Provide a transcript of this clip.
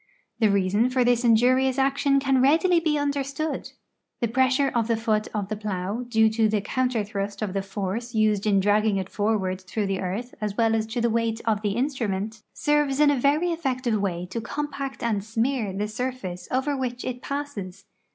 The reason for this injurious action can readily be understood. The pressure of the foot of the [flow, due to the counter thrust of the force used in dragging it forward through the earth as well as to the weight of the instrument, serves in a very effective way to compact and smear the surface over which it passes.